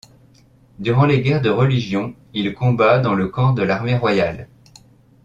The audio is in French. Durant les guerres de religion, il combat dans le camp de l'armée royale.